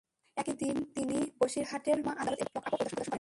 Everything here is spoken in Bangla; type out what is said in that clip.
একই দিন তিনি বসিরহাটের মহকুমা আদালত এবং কোর্ট লকআপও পরিদর্শন করেন।